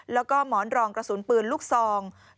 แล้วก็หมอนรองกระสุนปืนลูกซอง